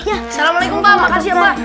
assalamualaikum pak makasih ya pak